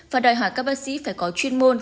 và đòi hỏi các bác sĩ phải có chuyên môn